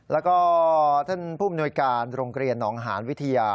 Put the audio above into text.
แล้วก็ท่านผู้มนวยการโรงเรียนหนองหานวิทยา